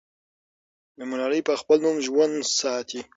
ملالۍ به خپل نوم ژوندی ساتي.